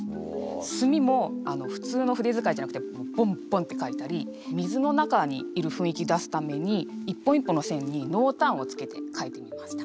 墨も普通の筆遣いじゃなくてボンボンって書いたり水の中にいる雰囲気出すために一本一本の線に濃淡をつけて書いてみました。